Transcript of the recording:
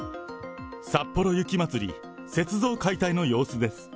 さっぽろ雪まつり、雪像解体の様子です。